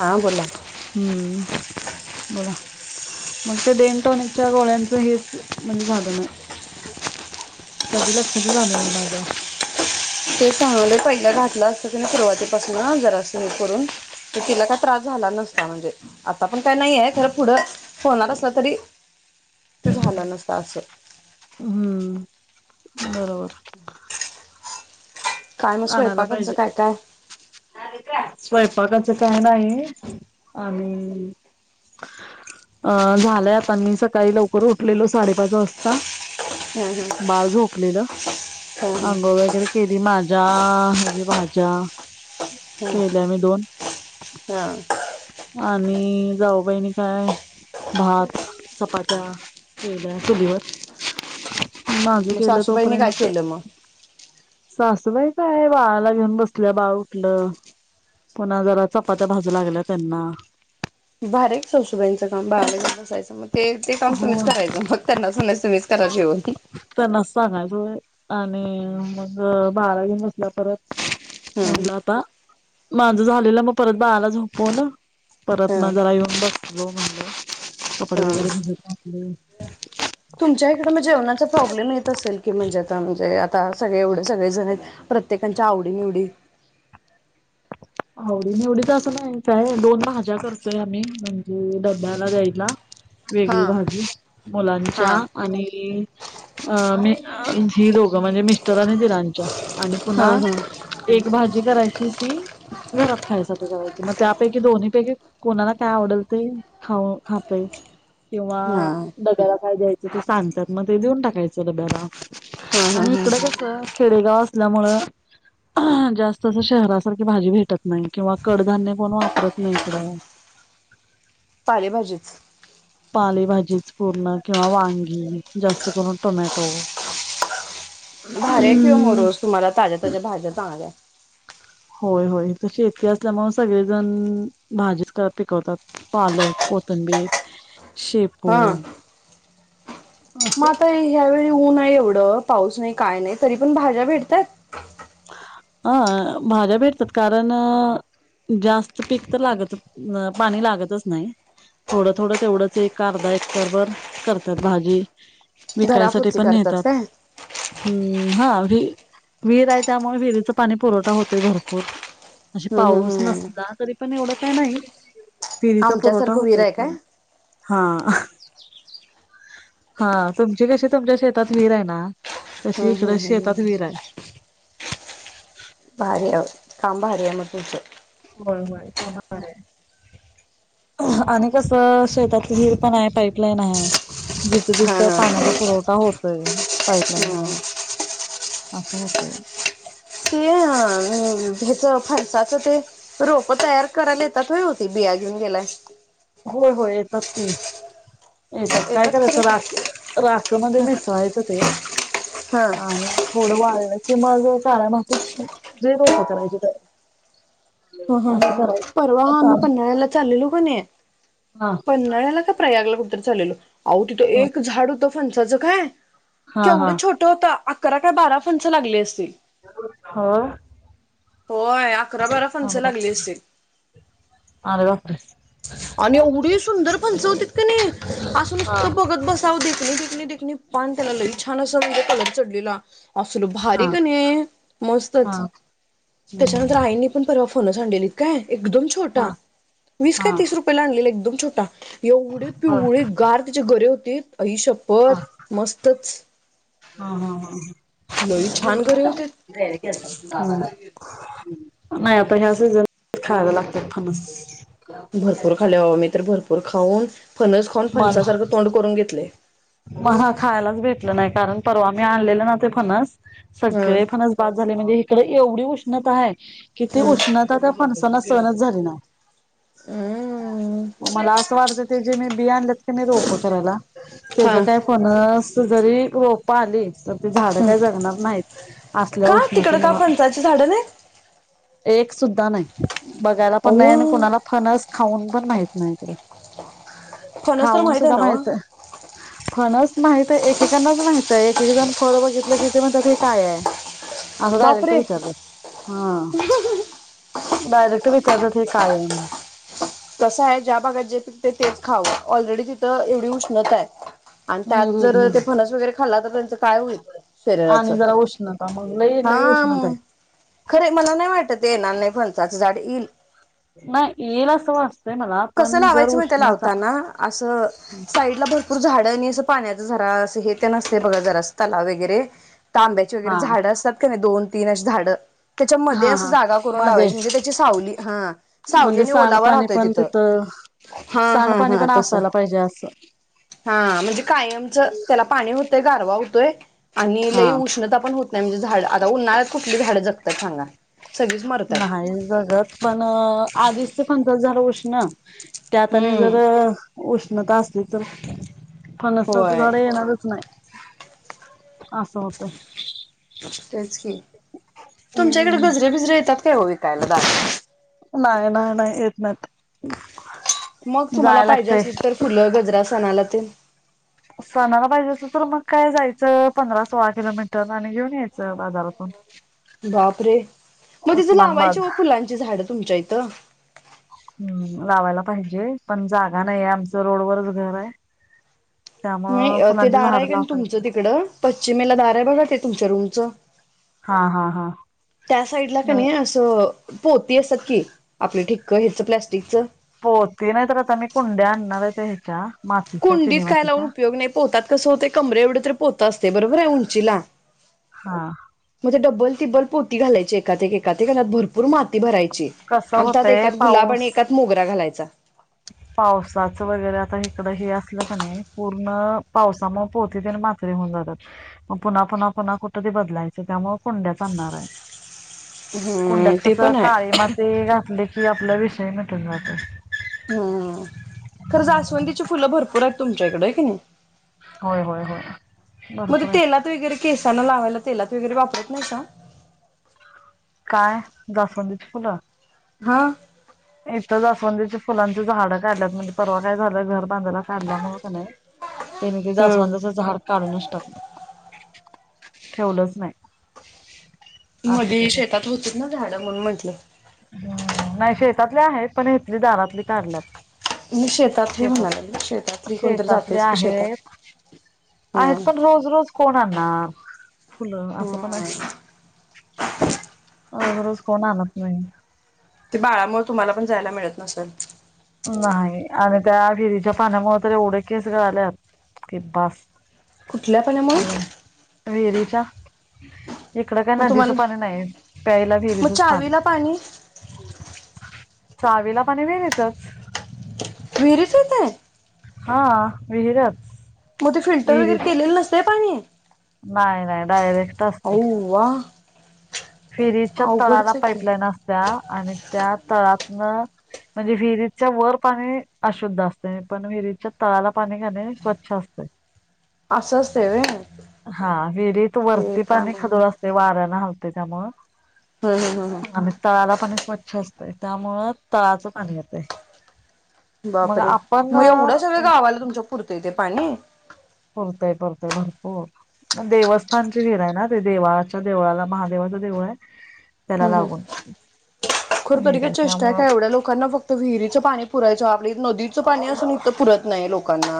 हा बोला हम्म बोला. मग ते डेनटॉनिकच्या गोळ्यांचं हेच म्हणजे झालंण नाय. कधी लक्षताच आलं नाही माझ्या. ते सांगालोय, पहिला घातलं असत ना सुरुवाती पासूनच जरास हे करून. तर तिला काय त्रास झाला नसता, म्हणजे आता पण काय नाही आहे, खर पुढं होणार असला तरी ते झाल नसत असं. हम्म. बरोबर. काय मग स्वयंपाकच काय-काय? स्वयंपाकाच काय नाह. आणि अ झालंय आता मी सकाळी लवकर उठलेलो साडेपाच वाजता. हं हं बाळ झोपलेल. हं हं अंंगोळ वगैरे केली माज्या हेज्या भाज्या. केल्या मी दोन. हा. आणि जाऊबाई आणि काय. भात चपाात्या केल्या चुलीवर. माझे मग केल सासूबाईने काय तोपर्यंतंत केलं मग सासूबाई काय बाळाला घेऊन बसले बाळ उटल पुन्हा जरा चपात्या भाजू लागल्या त्यांना. भारी आहे की सासुबाईंचं काम. बाळाला घेऊन बसायचं मग ते ते काम तुम्हीच करायचं, मग त्यांना सांगायचं तुम्हीच करा जेवण. त्यांनाच सांगायचं होय आणि मग बारावी मटल्या परत हं म्हटलं आता माझं झालेलं मग परत मग बाळाळा झोपवलो पररना हं जरा येऊन बसलो म्हणलं कपडे हं वगैरे भिजत घातली तुमच्या इकडे मग जेवणाचा प्रॉब्लेम येत असेल की म्हणजे म्हणजे आता सगळे एवढे सगळे जण आहेत प्रत्येकांच्या आवडी निवडी आवडी निवडी तर असं नाही काय दोन भाज्या करतोय आम्ही म्हणजे डब्याला द्यायला हा वेगळी भाजी हा. मुलांच्या हा आणि अ मे जी दोघं म्हणजे मिस्टर आणि दिरानंच्या आणि पुन्हा हा. एक भाजी करायची ती घरात खायसाठी करायची मग त्यापैकी दोन्ही पैकी कोणाला काय आवडेल ते खाऊ खातय [inaudible] किंवा डब्याला काय द्यायचं ते सांगतात म ते देऊन टाकायचं डब्याला हा हा आणि हा इकडं ह कस खेडेगाव ल्यामुळे जास्त अस शहरासारखी भाजी भेटत नाही किंवा कडधान्य पण वापरत नाहीथडं पालेभाजीच जीूर्ण कंवा वांीत टमॅटो भऱ्या ठेव मग रोज तुम्हाला ताज्या ताज्या भाज्या चांग्या होय होय तर शेती असल्यामुळे सगळेजण भाजी पिकवतात पार्लर को संबीत शेपू असं मता ह्यावेरी ऊन नाही एवढ पाऊस नाही काय नाही तरी पण भाज्या भेटतात अं भाज्या भेटतात कारण जास्त पीक तर लागत अ पाणी लागतच नाही थोडं थोडं तेवढंच एक अर्धा ए कारभर करतात भाजी विकायसाठी घरापुरती पण करतात नेतात काय हम्म हा व वर त्यामुळे विरीच पाणी पुरवठा होतोय भरपूर अे हम्म हम्म पाऊस हम्म नसला तरी पण एवढं काही नाही फिरीचा पुरवठा आमच्यासारखं विहीर होतय आहे काय? पण हा हा तुमची कशी तुमच्या शेतात हर आहे ना तशी हम्म इकडं हम्म शेतात विर आहे काांब हरमतच होय होय आहे आणि कसं शेतात हिर पण आहे पाईपलाईन आहे जिथं हा तिथं हा. पाण्याचा पुरवठा होत पाईपलाईन म असं होतय ते ह्याच फणसाच ते रोप तयार करायला येतात हो होती बिया घेऊन गेला होय होय येतात त येतात काय येतात करायचं खरं. राखे राख मध्ये मिसळायचं ते हा आणि थोडं वाढलं कि मग काळामागे रोप करायची का ह ह ह परवा आम्ही पन््हाळ्याला चाललेलो काण हा पन् नळ्याला का प्रयागला कुतर चाललेल आह तिथं हा एक झाड होतं फंचाच काय हा हा केवढं छोटं होतं अकरा काय बारा फंच लागले असतील होा हो आहे फच लागली असतील अग आणि एवढी सुंदर पंचवतीत क नाही असं हा नुसत बघत बसावं देत नाही णी देणी पान त्याला लई छान असं म्हणजे कलर चढलेला असल हा भारी का नाही हा मस्तच त्याच्यानंतर हम्म आईनी फोनच आणलेलीत काय एकदम हा छोटा वीस हा काय तीस रुपयेला आणलेला एकदम छोटा एवढी होय पिवळी गार तिच्या गरे होतीत. हा आईशप्पथ. मस्तच. लई ह छान गरे होते [unintelligible] नाही आता ह्या सीजनला खायला लागतात फनस. भरपूर खाले बाबा, मी तर भरपूर खाऊन फनस खाऊन मला फणसासारखं तोंड करून घेतले. मला हा खायलाच भेटलं नाही, कारण परवा मी आणलेले ना ते फनस. सगळे हम्म फणस बाद झाले म्हणजे, इकडं एवढी उष्णता हाय. कि, ती हम्म उष्णता त्या फणसांना काय सहणच झाली नाही. हम्म मला असं वाटत ते, जे, मी बि, आणलंत का नई रोपं करायला. त्याच हा काय हम्म फणस जरी रोप आली. झाड काय जगणार नाहीत, असल्या का उष्णते तिकडं का मुळ. फणसाची झाडं नाही एक सुद्धा नाही, बघायला पण नाही. आणि अव्वा कोणाला फनस खाऊन पण माहित नाही ईकडें. फणस तर खाऊन आहे सुद्धा ना व माहित फंणस माहित आहे. एकेकाणाच माहित आहे एकेकजण फळ बघितलं की ते म्हणत ते हे काय आहे. असं डायरेक्ट बापरे विचारलं, हा. डायरेक्ट विचारतात हे काय आहे? खाऊ ऑलरेडी तिथं एवढी उष्णता आहे. आणि त्यात हम्म हम्म जर ते हम्म. फणस वगैरे खाल्ला तर त्यांच काय होईल शरीराच. आणि जरा उष्णता मग लई लई हा उष्णता आहे खरे मला नाही वाटत. येणार नाही फणसाच झाड येईल. नाय येईल अस वाटत. कस लावायचं म लावताना. असं साईडला भरपूर झाड आणि असं पाण्याच झरा असं हे ते असतय बघा जरास तलाव वगैरे तांब्याची वगैरे हा झाडं असतात का नाही, दोन तीन अशी झाडं त्याच्यामध्ये हा अस हा. जागा करून मध्ये लावायची म्हणजे, त्याची सावली हा सावली म्हणजे आणि ओलावा सांडपाणी राहतोय पण तिथं. हा हा सांडपाणी हा पण तसं असायला पाहिजे, असं. हा, म्हणजे कायमच त्याला पाणी होत ते गारवा होतोय, आणि लई हा उष्णता पण होत नाही, म्हणजे झाड आता उन्हाळ्यात कुठली झाड जग तात सांगा. सगळीच मरतात नाही जगत पण आधीच ते फणसाच झाड उष्ण त्यात आणि हम्म जर उष्णता असली तर, फणसाचं होय झाड येणारच नाही. असं होतयं. तेच की, तुमच्याकडे गजरे बिजरे येतात काय ओ विकायला दारावर? नाही नाही नाही, येत नाहीत. मग तुम्हाला जाय पाहिजे लागतय असली तर, फुलं, गजरा सणाला तेन? सणाला पाहिजे असलं तर, मग काय जायचं पंधरा सोळा किलोमीटर आणि घेऊन यायचं बाजारातून. बापरे! मग तिथं उस्मानबाद लावायची ओ फुलांची झाडं तुमच्या इथं. हम लावायला पाहिजे, पण जागा नाहीये आमचं रोडवरचं घर आहे. [unintelligible] त्यामुळं नाही ते फुलांची दार आहे झाडं कि नाही, लावता येत तुमचं तिकडं पश्चिमेला दार आहे बघा ते तुमच्या रूमचं. हा. हा हा त्या साईडला क नाही असं पोती असतात, की आपले ठिक्क ह्याचं प्लास्टिकचं. पोती नाही तर, आता मी कुंड्या आणणार आहे त्या ह्याच्या मातीच्या कुंडीत चिनी काय लावुन मातीच्या उपयोग नाही, पोत्यात कसं होतय कमरे एवढे तरी पोतं असतयं. ते बरोबर आहे उंचीला? हा. डबल तिब्बल पोती घालायची, एकात एक एकात एक आणि त्यात भरपूर माती भरायची. ची कसं आणी त्यात होतय एकात गुलाब आणि पाऊस एकात मोगरा घालायचा. [unintelligible] कनइ पूर्ण पावसामुळं पोती तेन मात्री होऊन जातात, मग पुन्हा पुन्हा पुन्हा कुठं ते बदलायचं त्यामुळे कुड्यांच आणणार आहे. कुंड्यात हम्म ते कस पण काळे आहे माते घातले की आपला विषय मिटून जात हम्म खरं जास्वंदीची फुलं भरपूर आहेत तुमच्या इकडे हाय की नाही होय होय होय मग भरपूर आहेत. तेलात वगैरे केसाांना लावायला तेलात वगैरे वापरत नायसा काय जासवंदीची फुलं हा तर जासवंदीच्या फुलांचे झाडं काढल्यात म्हणजे परवा काय झालं घर बांधला काढल्यामुळे कि नाय त्यानी ते जाासवांदााच झाड काढूनच टाकलं ठेवलंच नाही असं मध्ये शेतात होतीच ना झाडं म्हणून म्हंटले ह् नाही शेतातले आहेत पण इथली दारातली काडल्यात मी शेतातली म्हणाले शेतात शेतातली कोणतरी शेतातले जातेच की शेतात आहेत हम्म आहेत पण रोज रोज कोण आणणार फुलं असं पण हम्म आहे रज ररोज कोण आणत नाही ते बाळामुळे तुम्हाला पण जायला मिळत नसेल नाही आणि त्या वििरीच्या पाण्यामुळे तर एवढे केसळालेत कि बस खुठला प ना मग वेरीचा इकडं काही मग नदीचं तुम्हाला पाणी नाही प्यायला मग विहिरीचच पाणी चावीला वीला पणे वेगचच मरी फत आहे हा विहिरच मग ते फिल्टर वगैरे विहिरीच केलेलं नसते पाणी नाही नाही डायरेक्ट असते अव्वा फेरीच्या तळाला अवघडच आहे की पाईपलाईन असत्या आणि त्या तळातन म्हणजे विहिरीतच्या वर पाणी अशुद्ध असते पण विहिरीतच्या तळाला पाणी घाणे स्वच्छ असते असं असतंय व्हय हा विहिरीत ते वरती काय पाणी माहित खजोळ असते वाऱ्या त्यामु हम्म हम्म हम्म हम्म आणि तळाला प स्वच्छ अस त्यामुळं तळाचं पाणी येतय मग बापरे आपण मग एवढं सगळ्या गावाला तुमच्या पुरतं तेे पाणी पुरतय पुरतय भरपूर म देवस्थानची हिर आहे ना ते देवाळाच्या देवळाला महादेवा देव आहे त्याला हम् हम लागून खरो तरी विहीर का चेष्टा आहे त्यामुळं का एवढ्या लोकांना फक्त विहिरीचं पाणी पुरायचो आप नदीचं पाणी असून इथं पुरत नाही लोकांना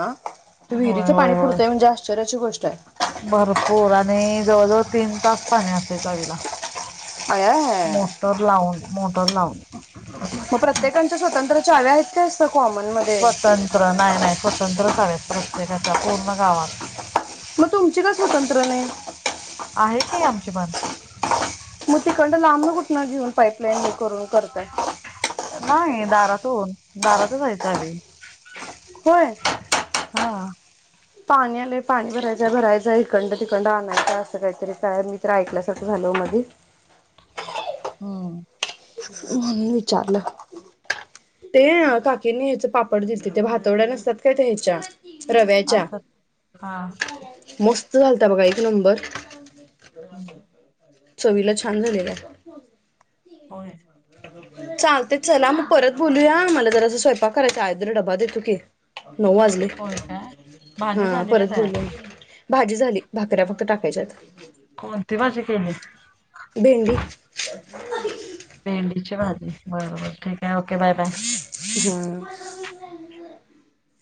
तर होय विहिरीचं होय पाणी होय पुरतंय म्हणजे आश्चर्याची गोष्ट आहे भरपूर आणि जवळजवळ तीन तास पाणी असते चावीला आया हाय मोटर लावून मोटर लाव मग प्रत्येकच्या स्वतंत्र्याच्या हव्या आहेत त्या स्वतंत्र नाही नाही स्वतंत्रच हवत प्रत्येकाच्या पूर्ण गावात मग तुमची का स्वतंत्र नाही आहे काी आमचे पन मोतीखंड लांबणं कुठनं घेऊन पाईपलाईन करून करतय नाही दारातन दारात जायचं आ होय हा पाणी आलंय पाणी भरायच भरायच इकंड तिकंड आणायच असं काहीतरी काय मी तर ऐकल्यासारखं झालं हॅलो माध हम्म मण विचारलं ते काकींनी ह्याच पापड देतली ते भातोड्या नसतात काय ते ह्याच्या रव्याच्या अस हा घलत बघा एक नंबर चवीला छान झालेल्या हो चालतेच चला मग परत बोलूया मला जरा अस स्वयंपा करायचा आहेयदर डबा देतो की नऊ वाजले होय काय हा भाजी झाली का परत तयार बोलले भाजी झाली भाकऱ्या फक्त टाकायच्यात कोणती भाजी केली भिंडी भेंडीची भाजी बरोबर ठीक आहे ओके बाय बाय ह